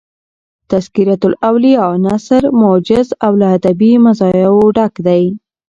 "تذکرةالاولیاء" نثر موجز او له ادبي مزایاو ډک دﺉ.